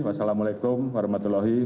wassalamu'alaikum warahmatullahi wabarakatuh